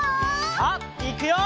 さあいくよ！